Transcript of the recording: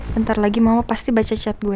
bentar lagi mau pasti baca chat gue